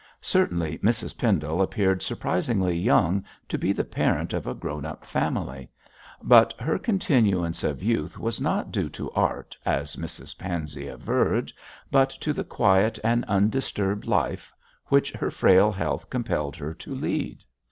Certainly Mrs Pendle appeared surprisingly young to be the parent of a grown up family, but her continuance of youth was not due to art, as Mrs Pansey averred, but to the quiet and undisturbed life which her frail health compelled her to lead.